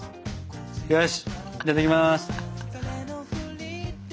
よしいただきます！